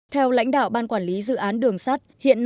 theo lãnh đạo ban quản lý dự án đường sắt